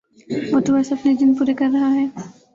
وہ تو بس اپنے دن پورے کر رہا ہے